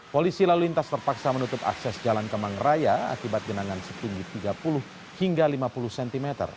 polisi lalu lintas terpaksa menutup akses jalan kemang raya akibat genangan setinggi tiga puluh hingga lima puluh cm